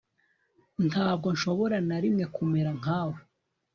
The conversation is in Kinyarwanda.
Ntabwo nshobora na rimwe kumera nkawe